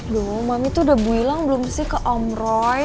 duh mami tuh udah builang belum sih ke om roy